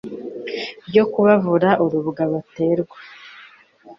ryo kubavura urubwa baterwa